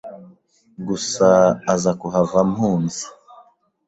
gusa aza kuhava ampunze”